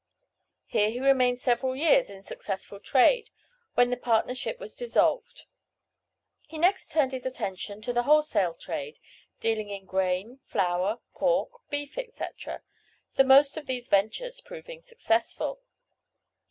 Here he remained several years in successful trade, when the partnership was dissolved. He next turned his attention to the wholesale trade, dealing in grain, flour, pork, beef, etc., the most of these ventures proving successful.